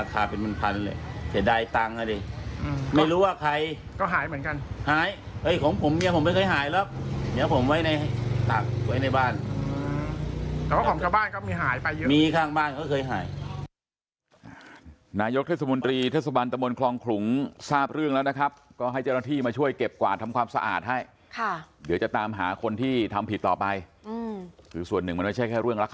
แต่ว่าของกลางบ้านก็มีหายไปเยอะ